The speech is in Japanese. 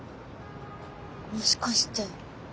もしかして。